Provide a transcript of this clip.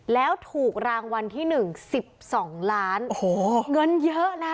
แล้วถูกรางวัลที่๑๑๒ล้านเงินเยอะนะ